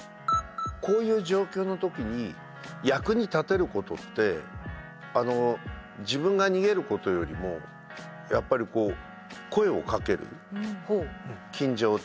こういう状況の時に役に立てることって自分が逃げることよりもやっぱり声をかける近所